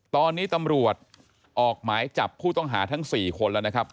ตอนนี้ตำรวจออกหมายจับผู้ต้องหาทั้ง๔คนแล้วนะครับ